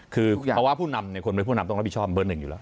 คือเพราะว่าผู้นำเนี่ยคนเป็นผู้นำต้องรับผิดชอบเบอร์หนึ่งอยู่แล้ว